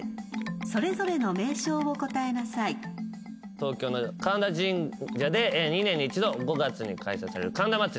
東京の神田神社で２年に１度５月に開催される神田祭。